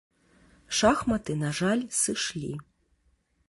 Шахматы, на жаль, сышлі.